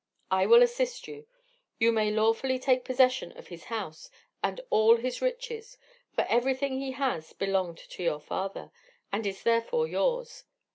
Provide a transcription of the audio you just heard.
I will assist you. You may lawfully take possession of his house and all his riches, for everything he has belonged to your father, and is therefore yours.